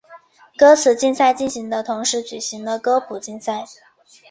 歌词竞赛进行的同时举行了歌谱竞赛。